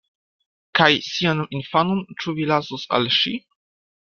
Kaj sian infanon ĉu vi lasos al ŝi?